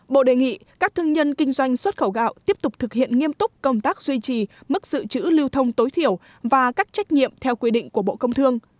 bộ đề nghị các thương nhân kinh doanh xuất khẩu gạo tiếp tục thực hiện nghiêm túc công tác duy trì mức dự trữ lưu thông tối thiểu và các trách nhiệm theo quy định của bộ công thương